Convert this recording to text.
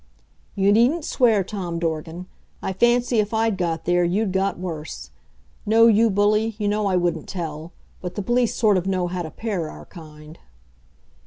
You needn't swear, Tom Dorgan. I fancy if I'd got there, you'd got worse. No, you bully, you know I wouldn't tell; but the police sort of know how to pair our kind.